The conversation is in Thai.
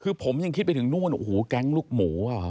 คือผมยังคิดไปถึงนู่นโอ้โหแก๊งลูกหมูอ่ะ